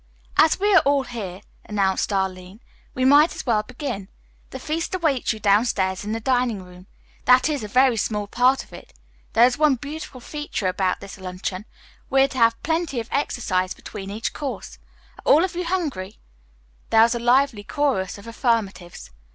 "As we are all here," announced Arline, "we might as well begin. The feast awaits you downstairs in the dining room; that is, a very small part of it. There is one beautiful feature about this luncheon, we are to have plenty of exercise between each course. Are all of you hungry?" There was a lively chorus of affirmatives.